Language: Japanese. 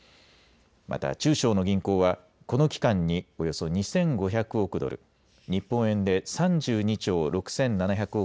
また中小の銀行はこの期間におよそ２５００億ドル、日本円で３２兆６７００億